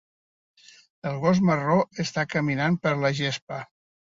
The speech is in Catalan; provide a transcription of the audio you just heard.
Un gos marró està caminant per la gespa.